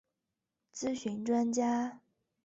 咨询专家